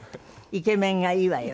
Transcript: イケメンがいいわよね」